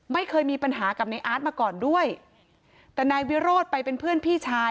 ไม่เคยมีปัญหากับในอาร์ตมาก่อนด้วยแต่นายวิโรธไปเป็นเพื่อนพี่ชาย